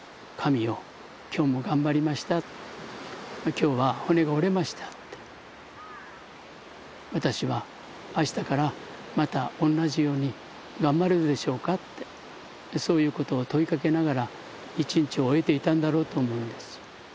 私は「私は明日からまた同じように頑張れるでしょうか」ってそういうことを問いかけながら１日を終えていたんだろうと思うんです。